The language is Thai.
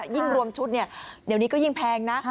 ยิ่งรวมชุดเดี๋ยวนี้ก็ยิ่งแพงนะ